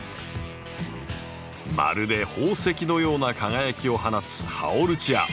まるで宝石のような輝きを放つハオルチア。